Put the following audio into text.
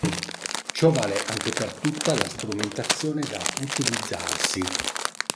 Ciò vale anche per tutta la strumentazione da utilizzarsi.